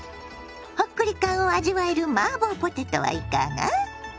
ほっくり感を味わえるマーボーポテトはいかが。